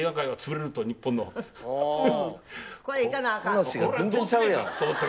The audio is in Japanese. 「そうだ」話が全然ちゃうやん。